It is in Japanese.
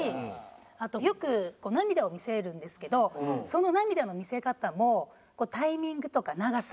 あとよく涙を見せるんですけどその涙の見せ方もこうタイミングとか長さ。